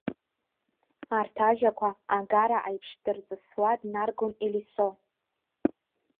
Арҭ ажәақәа агара аиԥш дырҵысуа днаргон Елисо.